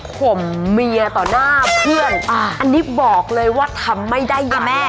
ข่มเมียต่อหน้าเพื่อนอันนี้บอกเลยว่าทำไม่ได้นะแม่